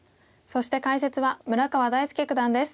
そして解説は村川大介九段です。